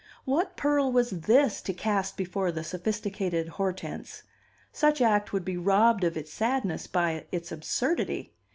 What pearl was this to cast before the sophisticated Hortense? Such act would be robbed of its sadness by its absurdity.